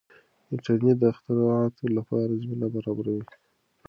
انټرنیټ د اختراعاتو لپاره زمینه برابروي.